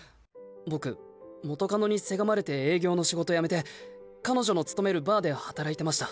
僕元カノにせがまれて営業の仕事辞めて彼女の勤めるバーで働いてました。